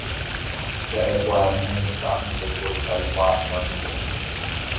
Jaʼekuaa ñane retãme ndaiporiha oikuaaʼỹva chupe.